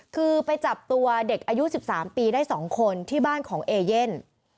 คือไปจับตัวเด็กอายุ๑๓ปีได้๒คนที่บ้านของเอเย่น